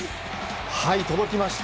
届きました。